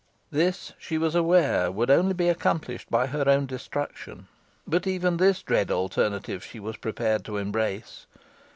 This, she was aware, could only be accomplished by her own destruction, but even this dread alternative she was prepared to embrace.